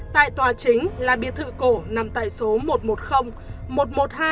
tại tòa chính là biệt thự cổ nằm tại số một trăm một mươi